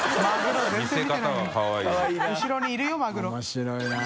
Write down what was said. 面白いな。